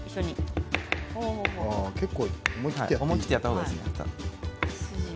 結構、思い切ってやった方がいいんですね。